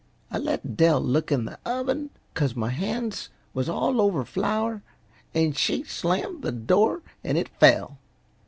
I let Dell look in the oven, 'cause my han's was all over flour, an' she slammed the door an' it fell.